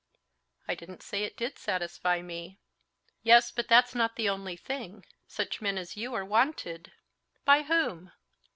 "I didn't say it did satisfy me." "Yes, but that's not the only thing. Such men as you are wanted." "By whom?"